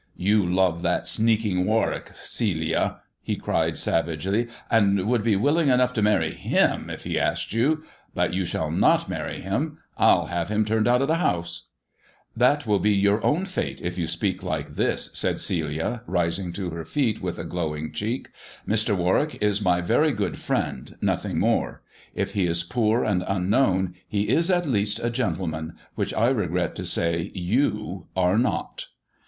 "You love that sneaking Warwick, Celia," he cried savagely, " and would be willing enough to marry him if he asked you. But you shall not marry him; I'll have him turned out of the house." THE dwarf's chamber 147 That will be your own fate if you speak like this," said Celia, rising to her feet with a glowing cheek. "Mr. Warwick is my very good friend, nothing more. If he is poor and unknown he is at least a gentleman, which I regret to say you are not."